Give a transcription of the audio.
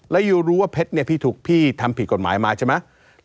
แล้วยูรู้ว่าเพชรเนี่ยพี่ถูกพี่ทำผิดกฎหมายมาใช่ไหม